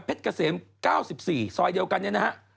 เกษม๙๔ซอยเดียวกันเนี่ยนะฮะ